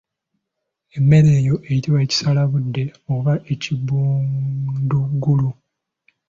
Emmere eyo eyitibwa ekisalabudde oba ekibundugulu.